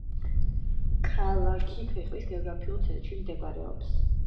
ქალაქი ქვეყნის გეოგრაფიულ ცენტრში მდებარეობს.